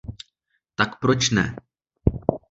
Tak proč ne?